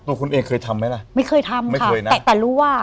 ตัวคุณเองเคยทำไหมล่ะ